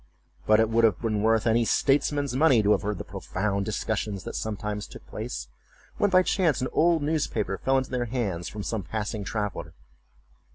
But it would have been worth any statesman's money to have heard the profound discussions that sometimes took place, when by chance an old newspaper fell into their hands from some passing traveller.